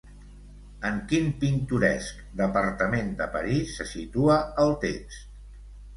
En quin pintoresc departament de París se situa el text?